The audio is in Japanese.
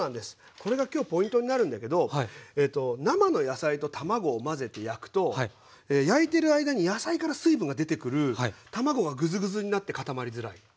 これが今日ポイントになるんだけど生の野菜と卵を混ぜて焼くと焼いてる間に野菜から水分が出てくる卵がグズグズになって固まりづらい。